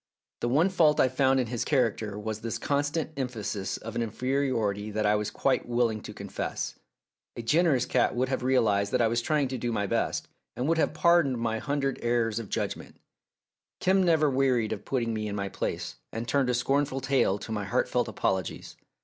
The one fault I found in his character was this constant emphasis of an inferiority that I was quite willing to confess. A generous cat would have realised that I was trying to do my best, and would have pardoned my hundred errors of judgment. Kim never wearied of putting me in my place, and turned a scornful tail to my heartfelt apologies.